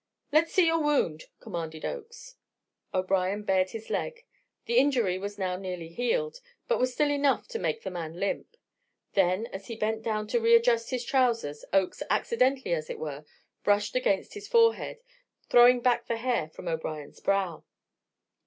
"Let's see your wound," commanded Oakes. O'Brien bared his leg: the injury was now nearly healed; but was still enough to make the man limp. Then, as he bent down to readjust his trousers Oakes, accidentally as it were, brushed against his forehead, throwing back the hair from O'Brien's brow.